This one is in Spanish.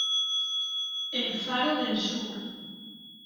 el faro del sur